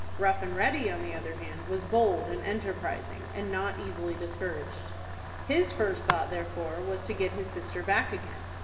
Rough and Ready, on the other hand, was bold and enterprising, and not easily discouraged. His first thought, therefore, was to get his sister back again.